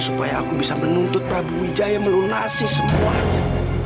supaya aku bisa menuntut prabu wijaya melunasi semuanya